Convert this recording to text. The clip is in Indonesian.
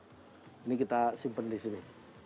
ini kita simpan di sini